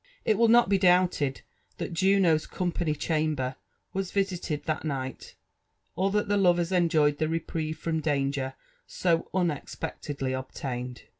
It will not be doubted that Juno's ' 'compaBy chamber" was visited that night, or that the lovers enjoyed the reprieve from danger^ so unexpectedly obtained.